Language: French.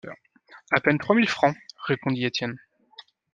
À peine trois mille francs, répondit Étienne.